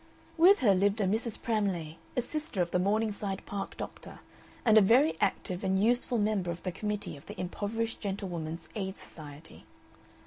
With her lived a Mrs. Pramlay, a sister of the Morningside Park doctor, and a very active and useful member of the Committee of the Impoverished Gentlewomen's Aid Society.